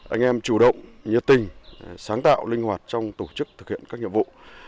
anh em chủ động nhiệt tình sáng tạo linh hoạt trong tổ chức thực hiện các nhiệm vụ